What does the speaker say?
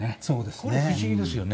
堀内：これ、不思議ですよね。